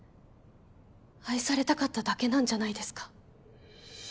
愛されたかっただけなんじゃないですか？